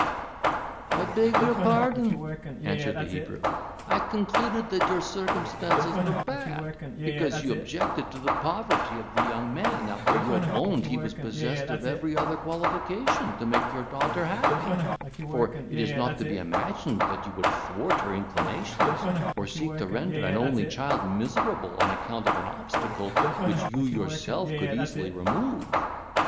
"I beg your pardon," answered the Hebrew, "I concluded that your circumstances were bad, because you objected to the poverty of the young man after you had owned he was possessed of every other qualification to make your daughter happy; for it is not to be imagined that you would thwart her inclinations, or seek to render an only child miserable on account of an obstacle which you yourself could easily remove.